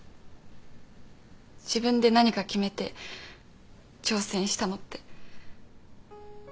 自分で何か決めて挑戦したのって。